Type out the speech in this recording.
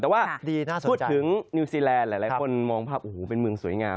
แต่ว่าพูดถึงนิวซีแลนด์หลายคนมองภาพโอ้โหเป็นเมืองสวยงาม